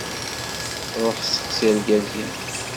Ruḥ steqsi argaz-im.